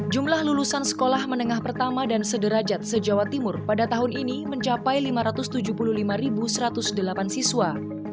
jumlah lulusan sekolah menengah pertama dan sederajat se jawa timur pada tahun ini mencapai lima ratus tujuh puluh lima satu ratus delapan siswa